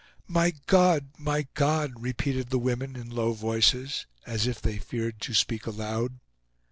"My God! My God!" repeated the women, in low voices, as if they feared to speak aloud.